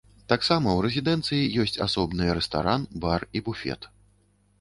Таксама ў рэзідэнцыі ёсць асобныя рэстаран, бар і буфет.